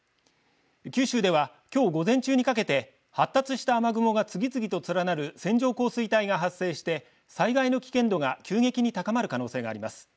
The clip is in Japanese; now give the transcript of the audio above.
九州では、きょう午前中にかけて発達した雨雲が次々と連なる線状降水帯が発生して災害の危険度が急激に高まる可能性があります。